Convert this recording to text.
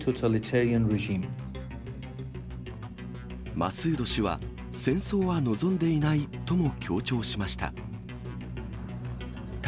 マスード氏は、戦争は望んでいないとも強調しました。